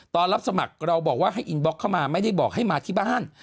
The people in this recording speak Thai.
รับสมัครเราบอกว่าให้อินบล็อกเข้ามาไม่ได้บอกให้มาที่บ้าน